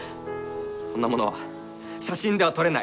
そんなものは写真では撮れない。